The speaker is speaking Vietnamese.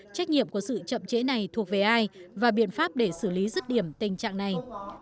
trách nhiệm của sự chậm trễ này thuộc về ai và biện pháp để xử lý rứt điểm tình trạng này